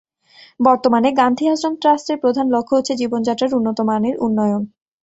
বর্তমানে, গান্ধী আশ্রম ট্রাস্টের প্রধান লক্ষ্য হচ্ছে জীবনযাত্রার উন্নত মানের উন্নয়ন।